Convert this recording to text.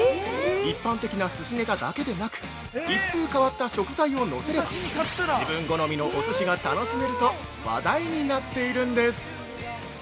一般的なすしネタだけでなく、一風変わった食材をのせれば自分好みのおすしが楽しめると話題になっているんです。